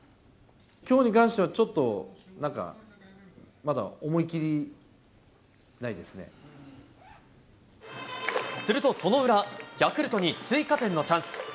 きょうに関しては、ちょっとなんか、するとその裏、ヤクルトに追加点のチャンス。